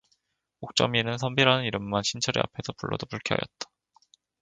옥점이는 선비라는 이름만 신철의 앞에서 불러도 불쾌하였다.